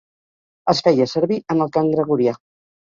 Es feia servir en el cant gregorià.